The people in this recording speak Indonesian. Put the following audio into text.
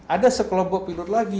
ada sekelompok pilot lagi